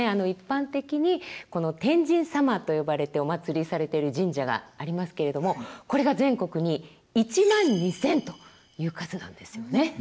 一般的に「天神様」と呼ばれてお祀りされている神社がありますけれどもこれが全国に１万２，０００という数なんですよね。